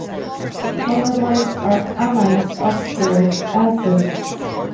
Squaramides are amides of squaric acids.